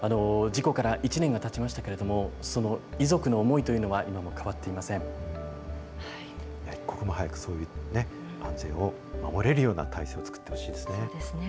事故から１年がたちましたけれども、その遺族の思いというのは今一刻も早くそういう安全を守れるような体制を作ってほしいですね。